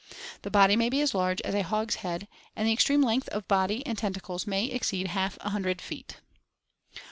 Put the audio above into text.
The & body may be as large as a hogshead S and the extreme length of body and J tentacles may exceed half a hundred I feet.